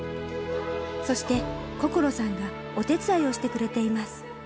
そして心さんがお手伝いをしてくれています。